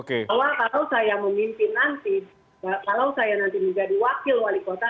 kalau saya memimpin nanti kalau saya nanti menjadi wakil wali kota